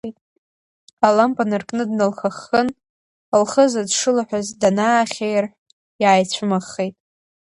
Алампа наркны дналхаххын, лхыза дшылаҳәаз данаахьаирҳә, иааицәымӷхеит.